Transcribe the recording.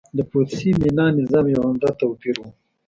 د پوتسي میتا نظام یو عمده توپیر و